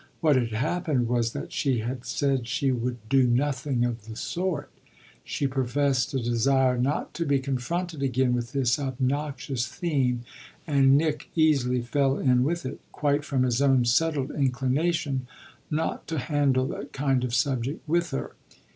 What had happened was that she had said she would do nothing of the sort. She professed a desire not to be confronted again with this obnoxious theme, and Nick easily fell in with it quite from his own settled inclination not to handle that kind of subject with her.